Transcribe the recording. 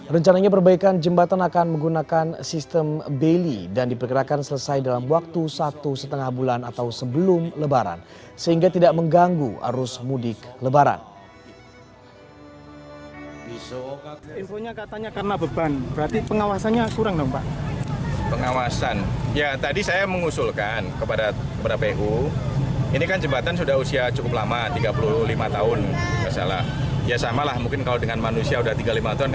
rencananya perbaikan jembatan akan menggunakan sistem beli dan diperkirakan selesai dalam waktu satu lima bulan atau sebelum lebaran sehingga tidak mengganggu arus mudik lebaran